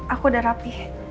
aku udah rapih